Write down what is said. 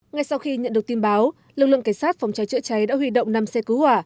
ngay sau khi nhận được tin báo lực lượng cảnh sát phòng cháy chữa cháy đã huy động năm xe cứu hỏa